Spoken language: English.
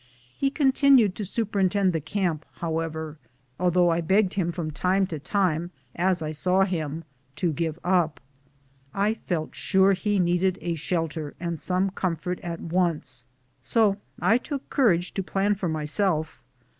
He continued to superintend the camp, however, though I begged him from time to time as I saw him to give up. I felt sure he needed a shel ter and some comfort at once, so I took courage to plan for myself.